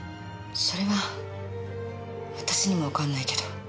それは私にもわかんないけど。